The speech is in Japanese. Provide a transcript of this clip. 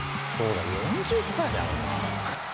４０歳だもんな。